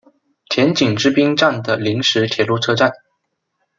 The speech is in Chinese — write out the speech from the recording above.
田井之滨站的临时铁路车站。